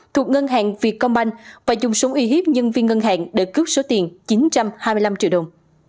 thuộc ngân hàng việt công banh và dùng súng uy hiếp nhân viên ngân hàng để cướp số tiền chín trăm hai mươi năm triệu đồng